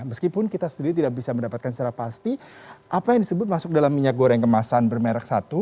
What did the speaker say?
meskipun kita sendiri tidak bisa mendapatkan secara pasti apa yang disebut masuk dalam minyak goreng kemasan bermerek satu